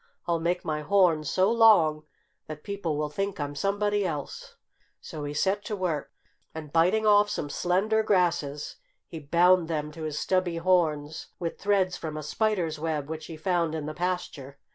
I'll make my horns so long that people will think I'm somebody else." So he set to work. And biting off some slender grasses, he bound them to his stubby horns with threads from a spider's web which he found in the pasture.